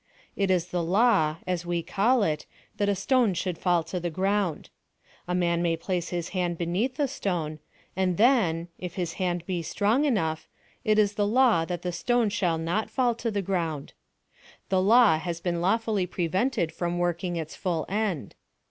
It is the law, as we call it, that a stone should fall to the ground. A man may place his hand beneath the stone, and then, if his hand be strong enough, it is the law that the stone shall not fall to the ground. The law has been lawfully prevented from working its full end.